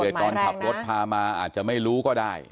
เดี๋ยวก่อนขับรถพามาอาจจะไม่รู้ก็ได้